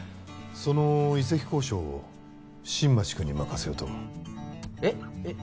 その移籍交渉を新町君に任せようと思うえっえっ